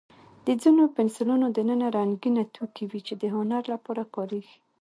د ځینو پنسلونو دننه رنګینه توکي وي، چې د هنر لپاره کارېږي.